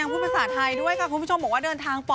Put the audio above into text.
สุดท้ายสุดท้าย